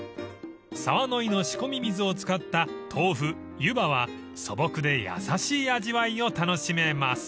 ［澤乃井の仕込み水を使った豆腐湯葉は素朴で優しい味わいを楽しめます］